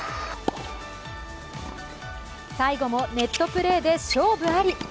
最後もネットプレーで勝負あり。